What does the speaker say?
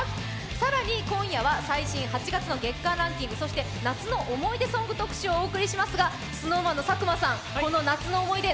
更に今夜は最新８月の月間ランキング、そして夏の思い出ソング特集をお送りしますがＳｎｏｗＭａｎの佐久間さん、夏の思い出